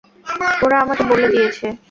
তারা তোমাকে বলে দিয়েছে?